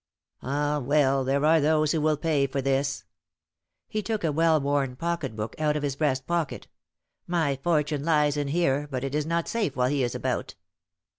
Ah, well, there are those who will pay for this!" He took a well worn pocket book out of his breast pocket. "My fortune lies in here; but it is not safe while he is about."